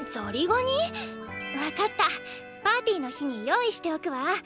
分かったパーティーの日に用意しておくわ。